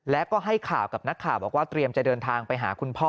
และก็ให้ข่าวกับนักข่าวบอกว่าเตรียมจะเดินทางไปหาคุณพ่อ